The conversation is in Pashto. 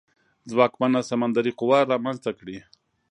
ځواکمنه سمندري قوه رامنځته کړي.